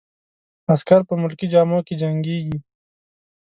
عسکر په ملکي جامو کې جنګیږي.